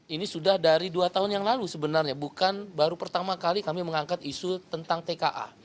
ini sudah dari dua tahun yang lalu sebenarnya bukan baru pertama kali kami mengangkat isu tentang tka